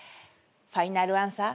ファイナルアンサー？